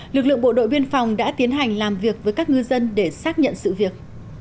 lực lượng bộ đội biên phòng đã tiến hành làm việc với các ngư dân để xác nhận sự việc